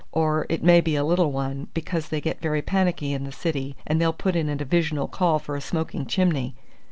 "Or it may be a little one, because they get very panicky in the City, and they'll put in a divisional call for a smoking chimney!"